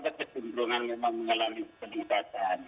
baik karena pemusahaannya berpengen atau masih lebih baik